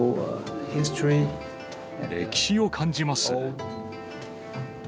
歴史を感じます。